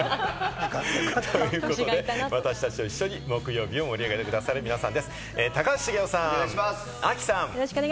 ということで、私達と一緒に木曜日を盛り上げてくださるのは、こちらの皆さんです。